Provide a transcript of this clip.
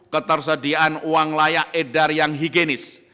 ketersediaan uang layak edar yang higienis